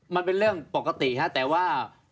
มันเป็นเรื่องปกติฮะแต่ว่า